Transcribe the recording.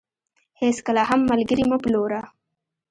هيچ کله هم ملګري مه پلوره .